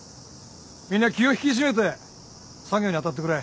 みんな気を引き締めて作業に当たってくれ。